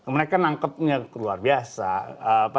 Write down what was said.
mereka nangkepnya luar biasa